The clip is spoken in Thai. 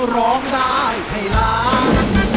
ร้องได้ให้ล้าน